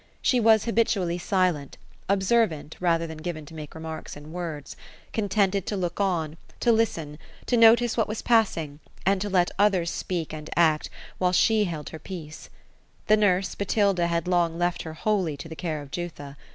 She was habitually silent ; ob servant, rather than given to make remarks in words ; contented to look on, to listen, lo notice what was passing, and to let others speak and act, while she held her peace. Her nurse, Botilda, had long left her wholly to the care of Jutha.